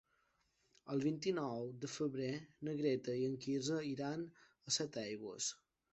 El vint-i-nou de febrer na Greta i en Quirze iran a Setaigües.